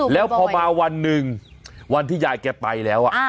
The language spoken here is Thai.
แล้วพอมาวันหนึ่งวันที่ยายแกไปแล้ว